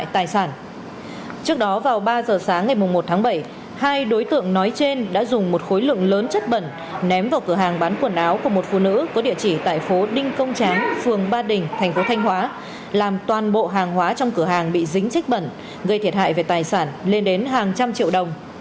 trước đó vào ba giờ sáng ngày một tháng bảy hai đối tượng nói trên đã dùng một khối lượng lớn chất bẩn ném vào cửa hàng bán quần áo của một phụ nữ có địa chỉ tại phố đinh công tráng phường ba đình thành phố thanh hóa làm toàn bộ hàng hóa trong cửa hàng bị dính chất bẩn gây thiệt hại về tài sản lên đến hàng trăm triệu đồng